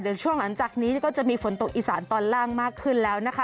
เดี๋ยวช่วงหลังจากนี้ก็จะมีฝนตกอีสานตอนล่างมากขึ้นแล้วนะคะ